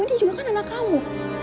dia juga kan anak kamu